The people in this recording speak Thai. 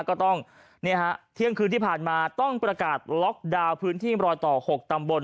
ก็ต้องเที่ยงคืนที่ผ่านมาต้องประกาศล็อกดาวน์พื้นที่รอยต่อ๖ตำบล